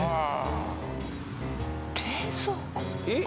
えっ？